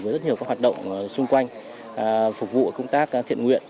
với rất nhiều các hoạt động xung quanh phục vụ công tác thiện nguyện